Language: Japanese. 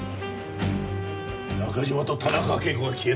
中島と田中啓子が消えた。